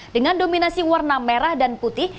dengan dominasi warna merah dan putih